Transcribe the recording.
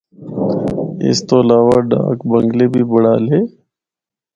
اس تو علاوہ ’ڈاک بنگلے‘ بھی بنڑالے۔